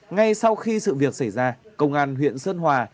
ngay sau khi sự việc xảy ra công an huyện sơn hòa